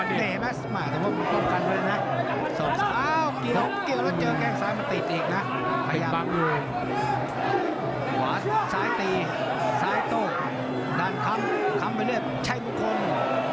อีกนะพยายามหวัดซ้ายตีซ้ายโต๊ะดันคำคำไปเรียบใช่มุมคลม